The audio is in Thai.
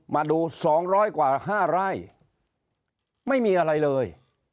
มาดูสองร้อยกว่าห้าร่ายไม่มีอะไรเลย